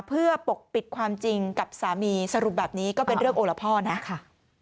เพื่อปกปิดความจริงกับสามีสรุปแบบนี้ก็เป็นเรื่องโอละพ่อนะค่ะ